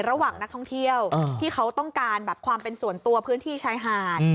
ระหว่างนักท่องเที่ยวที่เขาต้องการแบบความเป็นส่วนตัวพื้นที่ชายหาด